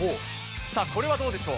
これはどうでしょう。